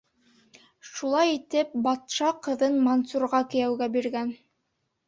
Шулай итеп, батша ҡыҙын Мансурға кейәүгә биргән.